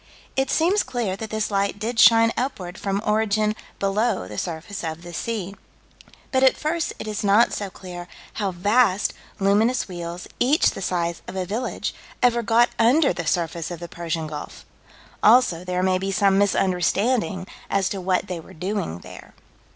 It seems clear that this light did shine upward from origin below the surface of the sea. But at first it is not so clear how vast luminous wheels, each the size of a village, ever got under the surface of the Persian Gulf: also there may be some misunderstanding as to what they were doing there.